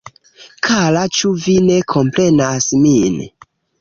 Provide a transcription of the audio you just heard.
Kara ĉu vi ne komprenas min?